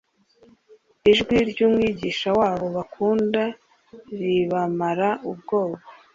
Ijwi ry'Umwigisha wabo bakunda ribamara ubwoba